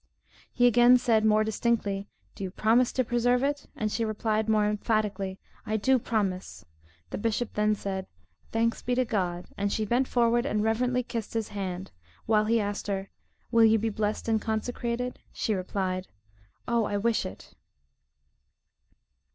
He again said, more distinctly, "Do you promise to preserve it?" and she replied more emphatically, "I do promise." The bishop then said, "Thanks be to God;" and she bent forward and reverently kissed his hand, while he asked her, "Will you be blest and consecrated?" She replied, "Oh! I wish it."